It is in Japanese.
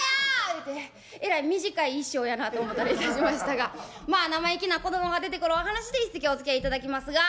言うてえらい短い一生やなと思たりいたしましたがまあ生意気な子供が出てくるお噺で一席おつきあいいただきますが。